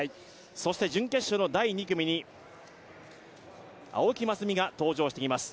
そして準決勝の第２組に、青木益未が登場してきます。